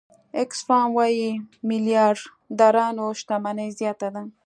آکسفام وايي میلیاردرانو شتمني زیاته ده.